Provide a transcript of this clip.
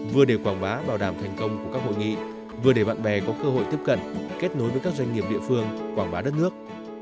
vừa để quảng bá bảo đảm thành công của các hội nghị vừa để bạn bè có cơ hội tiếp cận kết nối với các doanh nghiệp địa phương quảng bá đất nước